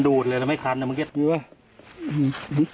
ดูดึงลงเลยดี